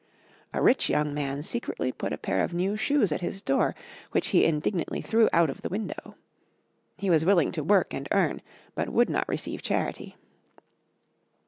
A rich young man secretly put a pair of new shoes at his door, which he indignantly threw out of the window. He was willing to work and earn, but would not receive charity.